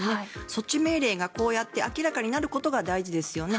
措置命令がこうやって明らかになることが大事ですよね。